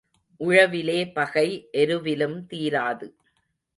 உழவிலே பகை எருவிலும் தீராது.